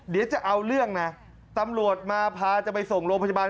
เดี๋ยวจะเอาเรื่องนะตำรวจมาพาจะไปส่งโรงพยาบาล